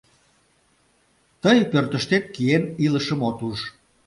Тый, пӧртыштет киен, илышым от уж.